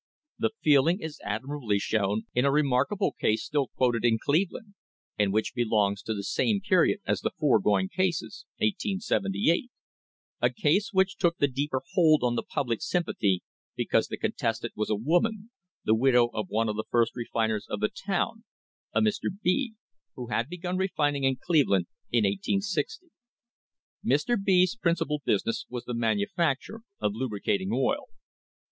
The feeling is admirably shown in a remark able case still quoted in Cleveland — and which belongs to the same period as the foregoing cases, 1878 — a case which took the deeper hold on the public sympathy because the contestant was a woman, the widow of one of the first refiners of the town, a Mr. B , who had begun refining in Cleve land in i860. Mr. B 's principal business was the manu facture of lubricating oil.